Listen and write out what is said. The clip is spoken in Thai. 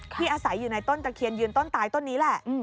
อาศัยอยู่ในต้นตะเคียนยืนต้นตายต้นนี้แหละ